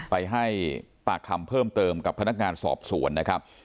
ไปให้ปากคำเพิ่มเติมกับพนักงานสอบสวนนะครับ